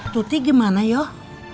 tuti gimana yoh